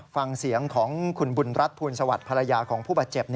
ฟังเสียงของคุณบุญรัฐภูลสวัสดิ์ภรรยาของผู้บาดเจ็บ